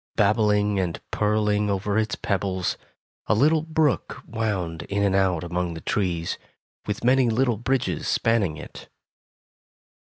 Babbling and purling over its pebbles, a little brook wound in and out among the trees, with many little bridges spanning it.